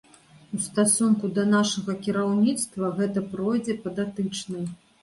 У стасунку да нашага кіраўніцтва, гэта пройдзе па датычнай.